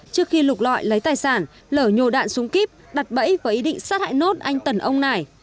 trước khi lục loại lấy tài sản lở nhồ đạn súng kíp đặt bẫy với ý định sát hại nốt anh tần ông này